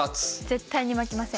絶対に負けません。